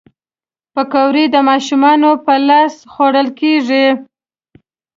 پکورې د ماشومانو په لاس خوړل کېږي